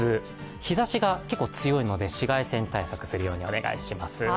日ざしが結構強いので紫外線対策するようにお願いします。